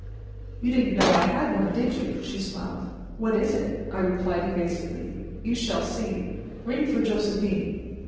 "You didn't know I had one, did you?" she smiled. "What is it?" I replied evasively. "You shall see. Ring for Josephine."